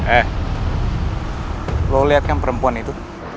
eh lo lihat kan perempuan itu